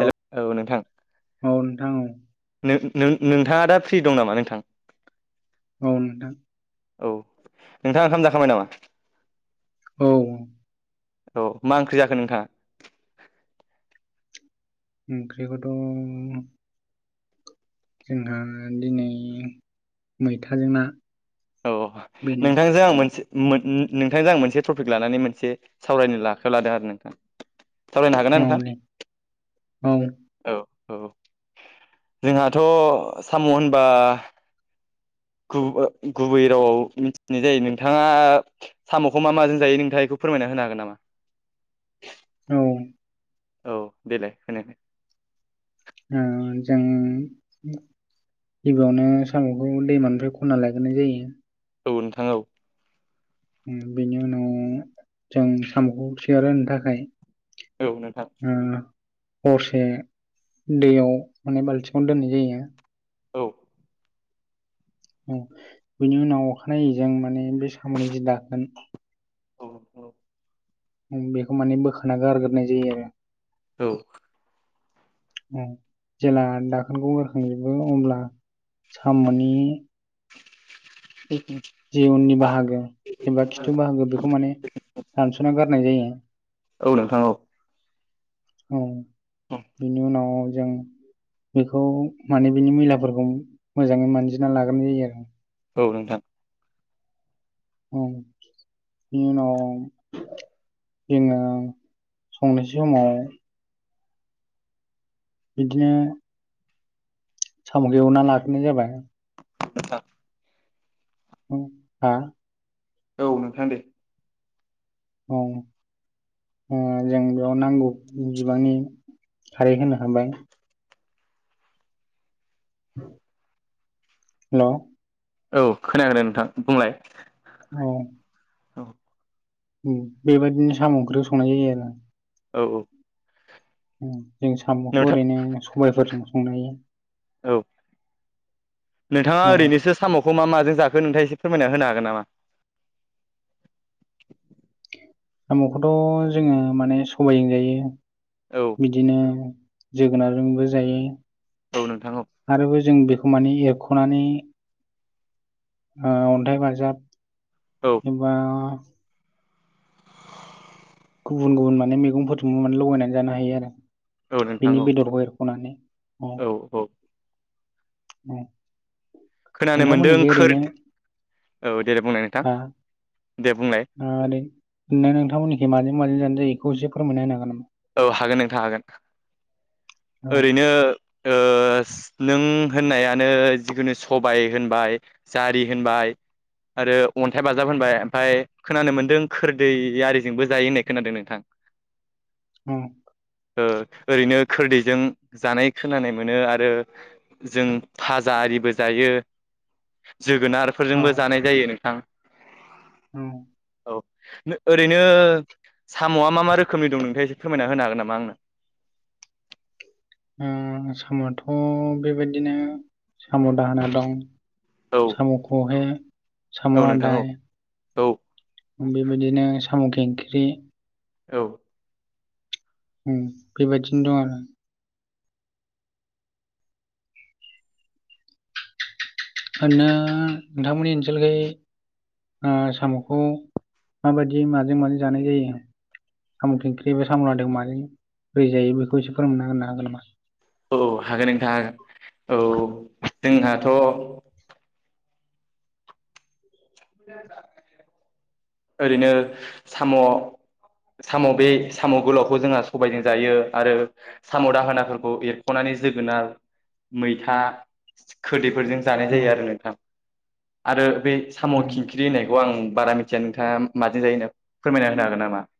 Hello औ नोंथां औ नोंथां औ नों नों-नोंथाङा दा फ्रि दं नामा नोंथां? औ नोंथां औ नोंथाङा ओंखाम जाखांबाय नामा औ औ मा ओंख्रि जाखो नोंथाङा ओंख्रिखौथ' जोंहा दिनै मैथाजों ना औ बेनो नोंथांजों आं मोनसे मो नो-नोंथांजों आं मोनसे टपिक लानानै मोनसे सावरायनो आखायाव लादों आरो नोंथां सावरायनो हागोन ना औ नोंथां दे औ औ औ जोंहाथ' साम' होनबा गुब ओ गुबै रावआव मिथिनाय जायो नोंथाङा साम'खौ मा माजों जायो नोंथाङा इखौ फोरमायना होनो हागोन नामा औ औ देलाय होनाय ओ जों गिबियावनो साम'खौ दैमानिफ्राय खनना लायग्रोनाय जायो। औ नोंथां औ बेनि उनाव जों साम'खौ सेर होनो थाखाय औ नोंथां ओ हरसे दैयाव माने बाल्थिङावनो दोननाय जायो। औ औ बिनि उनाव अखानायैजों माने बे साम'नि जि दाखोन [inaudible] बेखौ माने बोखाना गारग्रोनाय जायो आरो औ उम जेब्ला दाखोनखौ बोरखांजोबो अब्ला साम'नि जि उननि बाहागो एबा खिथु बा औ नोंथां औ ओं बिनि उनाव जों बेखौ माने बिनि मैलाफोरखौ मोजाङै मानजिना लाग्रोनाय जायो आरो औ नोंथां ओं बेनि उनाव जोङो संनाय समाव बिदिनो सम'खौ एवना लाग्रोनाय जाबाय नोंथां उम हा औ नोंथाङा दे औ ओ जों बेयाव नांगौ बिबांनि खारै होनो हाबाय [inaudible] हेलौ औ खोनादों नोंथां बुंलाय औ औ बेबायदिनो साम ओंख्रिखौ संनाय जायो आरो औ औ जों साम'खौ ओरैनो सबायफोरजों संनो हायो औ नोंथाङा औ ओरैनोसो साम'खौ मा माजों जाखौ नोंथाङा एसे फोरमायना होनो हागोन नामा साम'खौथ' जोङो माने सबायजों जायो औ बिदिनो जोगोनारजोंबो जायो औ नोंथां औ आरोबो जों बेखौ मानि एरख'नानै ओ अन्थाइ बाजाब औ एबा गुबुन गुबुन माने मैगंफोरजोबो माने लगायनानै जानो हायो आरो बेनि बेदरखौ एरख'नानै औ औ-औ औ खोनानो मोन्दों नोंथांमोननिखै ओरैनो खोरदै औ दे देनाय बुंनाय नोंथां आ दे बुंलाय ओ नोंथांमोननिखि माजों माजों जानाय जायो बेखौ एसे फोरमायना होनो हागोन नामा? औ हागोन नोंथा हागोन नामा ओरैनो ओ नों होननायानो जिखुनु सबाय होनबाय जारि होनबाय आरो अन्थाइ बाजाब होनबाय ओमफ्राय खोनानो मोनदों खोरदै आरिजोंबो जायो होननाय खोनादों नोंथां [inaudible] औ ओरैनो खोरदैजों जानाय खोनानाय मोनो आरो जों भाजा आरिबो जायो औ जोगोनारफोरजोंबो जानाय जायो नोंथां औ ओरैनो साम'आ मा-मा रोखोमनि दं नोंथ फोरमायना होनो हागोन नामा आंनो सामआ'थ' बेबायदिनो साम' दाहोना दं औ सामुखौहाय साम' औ नोंथां औ लादाय औ बेबायदिनो साम' ओंख्रि औ बेबायदिनो दं आरो नो नोंथांमोननि ओनसोलखै ओ साम'खौ माबायदि माजों माजों जानाय जायो साम' खिंख्रि बे साम'लादायखौ माजों बोरै जायो बेखौ एसे फोरोंना होनो हागोन नामा औ हागोन नोंथाङा हागोन औ जोंहाथ' [inaudible] ओरैनो साम' साम' बे साम' गोलावखौ जोंहा सबायजों जायो आरो साम' दाहोनाफोरखौ एरख'नानै जोगोनार मैथा खोदै फोरजों जानाय औ जायो आरो नोंथां आरो बे साम' औ खिंख्रि होननायखौ आं बारा मिथिया नोंथाङा माजों जायो होनना फोरमायना होनो हागोन नामा? [inaudible]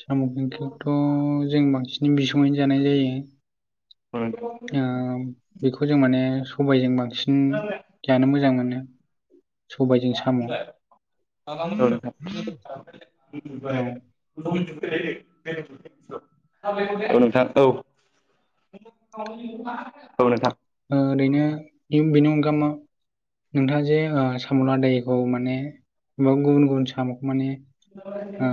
साम' ओंख्रिखौथ' जों बांसिन बिसङैनो जानाय जायो । औ नोंथां ओ बेखौ जों माने सबायजों बांसिन जानो मोजां मोनो [inaudible] सबायजों औ साम' नोंथां औ [inaudible] औ नोंथां औ [inaudible] औ नोंथां ओरैनो बेनि अगा नोंथाङा जे साम'ला लादायखौ माने गुबुन गुबुन साम'खौ माने ओ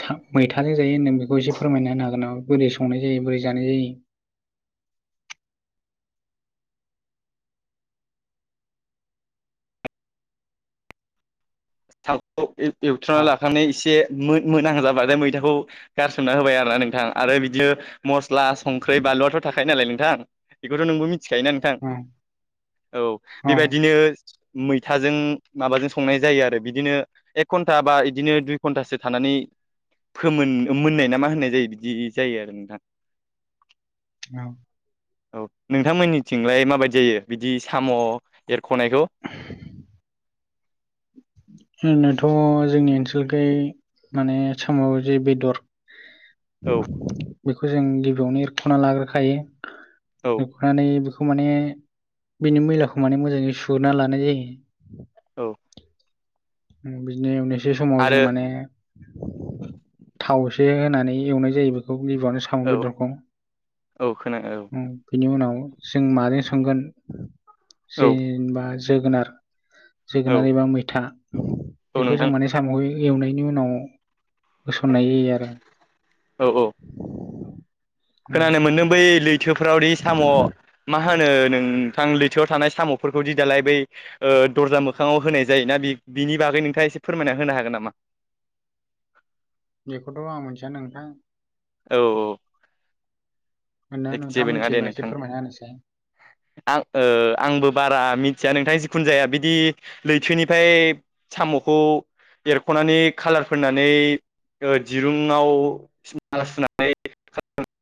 सा मैथाजों जायो नों बेखौ एसे फोरमायना होनो हागोन नामा? बोरै संनाय जायो बोरै जानाय जायो । साम' खौ आ, एवथ्रनानै लाखांनानै एसे मोनां जाबाथाय मैथाखौ गारसोमना होबाय आरोना नोंथां आरो बिदिनो मस्ला संख्रि बानलुआथ' थाखायायो नालाय नोंथां बेखौथ' नोंबो मि मिथिखायोना नोंथां आ, औ आ, बेबायदिनो मैथाजों माबाजों संनाय जायो आरो बिदिनो एक घन्टा बा बिदिनो दुइ घन्टासो थानानै फोमोन मोननाय ना मा होननाय जायो बिदि जायो आरो नोंथां । औ औ नोंथांमोननिथिंलाय माबायदि जायो बिदि साम' ए ख'नायखौ ओरैनो थ' जोंनि ओनसोलखै माने साम' जे बेदर औ बेखौ जों गिबियावनो एरख'ना लाग्रोखायो औ एरख'नानै बे खौ माने बिनि मैलाखौ माने मोजाङै सुना लानाय जायो। औ बिदिनो एवनोसै समाव जों आरो माने थाव दै होनानै एवनाय जायो बेखौ। गिबिआनो साम' औ बेदरखौ औ खोना औ बिनि उनाव जों माजों संगोन औ जेनेबा जोगोनार औ जोगोनार एबा मैथा औ बेखौ जों नोंथां माने साम' एवनायनि उनाव होसननाय जायो आरो औ औ उम खोनानो मोनदों बै लैथोफ्रावदि साम' मा मा होनो नोंथां लैथोआव थानाय साम'फोरखौ दि दालाय बै दरजा मोखाङाव होनाय जायोना बि बिनि बागै नोंथाङा एसे फोरमायना होनो हागोन नामा? बेखौथ' आं मोनथिया नोंथां। औ औ होनो नोंथाङा जेबो नङा दे मिथिबा नोंथां एसे फोरमायना होनोयसाय आं आंबो बारा मिथिया नोंथां जिखुनु जाया बिदि लैथोनिफ्राय साम'खौ एरख'नानै खालार फोननानै दिरुंआवमाला सुनानै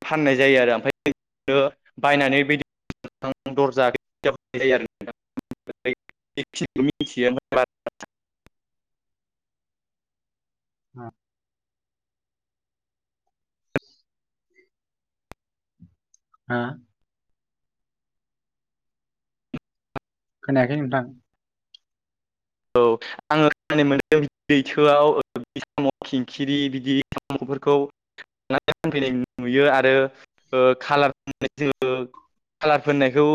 फाननाय जायो आरो ओमफाय [unintelligible] बायनानै बिदि दरजा जायो आरो [unintelligible] [unintelligible] अ हा खोनायाखै नोंथां औ आङो खोनानो मोनदों लैथोआव साम' खिंखिरि बिदि [unintelligible] साम'फोरखौ फानफैनाय नुयो आरो कालार होनाय जोङो कालार फोननायखौ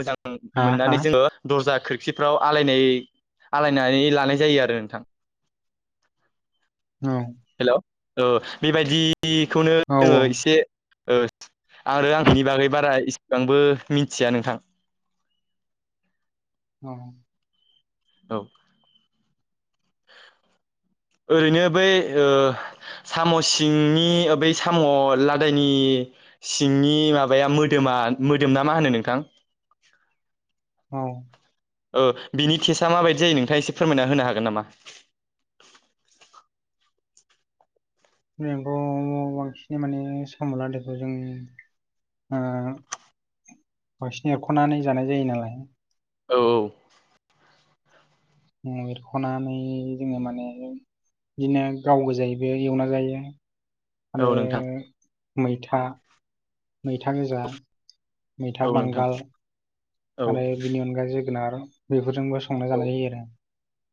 मोजां हा हा मोननानै जोङो दरजाखो खोरखिफ्राव आलायनाय आलायनानै लानाय जायो आरो नोंथां औ हेलौ ओ बेबायाददिखौनो औ जोङो इसे ओ आं आरो आं बिनि बागै बारा इसिबांबो मिथिया नोंथां। [inaudible] औ औ ओरैनो बै साम' सिंनि बै साम' लादायनि सिंनि माबाया मोदोमा मोदोम ना मा होनो नोंथां? औ औ बिनि तेसा माबायदि जायो नोंथाङा एसे फोरमायना होनो हागोन नामा? जोंथ बांसिन माने साम' लादायखौ जों ओ बांसिन एरख'नानै जानाय जायो नालाय । औ औ। एरख'नानै जोङो माने बिदिनो गाव गोजायैबो एवना जायो । औ आरो औ नोंथां मैथा मैथा गोजा, औ मैथा नोंथां बांगाल औ आरो बिनि अनगायै जोगोनार बेफोरजोंबो संना औ जानाय जायो आरो।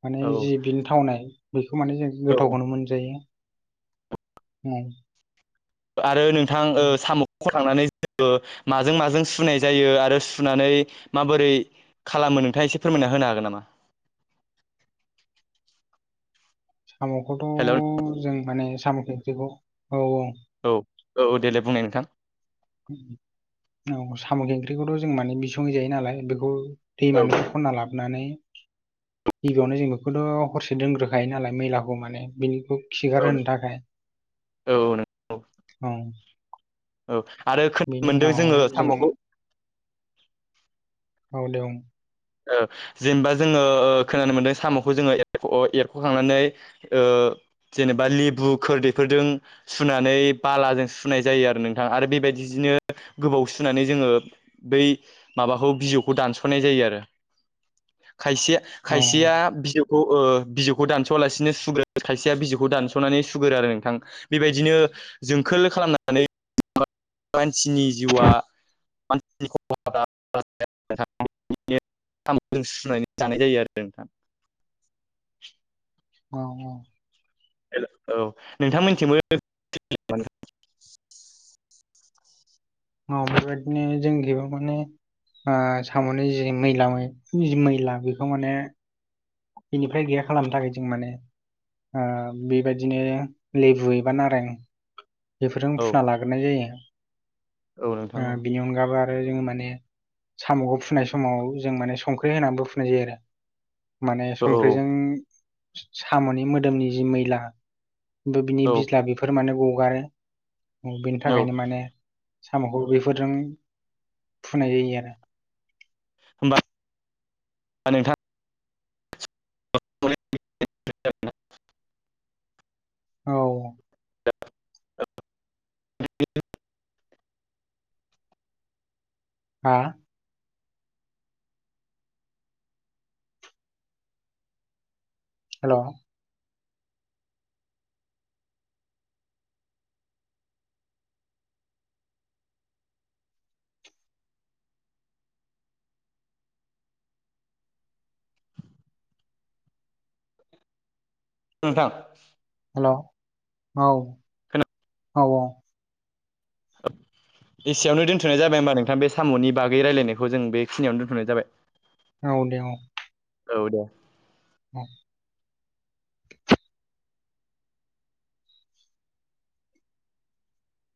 माने औ जि बिनि थावनाय बेखौ माने जों औ गोथावखौनो मोनजायो औ। आरो नोंथां औ साम'खौ खनखांनानै बेखौ माजों माजों सुनाय जायो आरो सुनानै माबोरै खालामो नोंथाङा एसे फोर होनो हागोन नामा? साम'खौथ' हेल' औ जों माने साम' खेख्रिखौ औ औ औ औ देलाय बुंनाय नोंथां‌ औ साम' ओंख्रिखौथ' जों माने बिसङै जायो नालाय बेखौ औ दैमानिफ्राय खनननै लाब हरनानै गिबियावनो जों बेखौथ' हरसे दोनग्रोखायो नालाय मैलाखौ माने बिनिखौ औ खिगार होनो थाखाय औ नों औ औ । औ आरो खोनानो मोनदों जोङो जों साम'खौ औ दे बुं। जेनेबा जोङो खोनानो मोनदों साम'खौ जोङो एरख'खांनानै जेनेबा लेबु खोरदैफोरजों सुनानै बालाजों सुनाय जायो आरो नोंथां आरो बे बायदिनो गोबाव सुनानै जोङो बै माबाखौ बिजौखौ दानस'नाय जायो आरो खायसे औ खायसेया बिजौ खौ ओ बिजौखौ दानस'आलासिनो सुगोरो खायसेया बिजौखौ दानस'नानै सुगोरो आरो नोंथां । बेबायदिनो जोंखोल खालामनानै [unintelligible] मानसिनि जिउआ [unintelligible] साम'जों सुनानै जानाय जायो आरो नोंथां । औ औ। हेलौ । औ नोंथां मोननिथिंबो [unintelligible] औ बेबायदिनो जोंखैबो माने आं साम'नि जि मैला जि मैला बेखौ माने बिनिफ्राय गैया खालामनो थाखाय जों माने बेबायदिनो लेबु एबा नारें बेफोरजों औ फुना लाग्रोनाय जायो। औ नोंथां औ बेनि अनगाबो आरो जोङो माने साम'खौ फुनाय समाव जों माने संख्रि होनानैबो फुनाय जायो आरो । माने औ औ संख्रिजों साम'नि मोदोमनि जि मैला । बिनि औ बिज्ला बेफोर माने गगारो बेनि औ थाखायनो माने साम'खौ बेफोरजों फुनाय जायो आरो । होमबा नोंथां [unintelligible] औ‌ हा? हेलौ। नोंथां हेल' औ औ। ओ एसेयावनो दोन्थ'नाय जाबाय होमबा नोंथां बे साम'नि बागै रायजलायनायखौ जों बेखिनियावनो दोन्थ'नाय जाबाय। औ दे औ औ दे औ